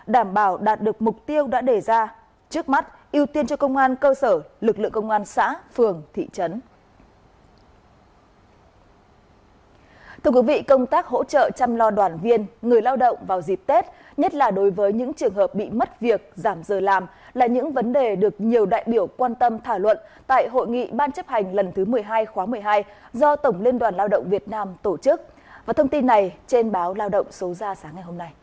đảm bảo đạt được mục tiêu đã đề ra trước mắt ưu tiên cho công an cơ sở lực lượng công an xã phường thị trấn